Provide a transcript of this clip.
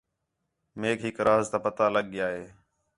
میک ہِک راز پتہ لڳ ڳیا ہِے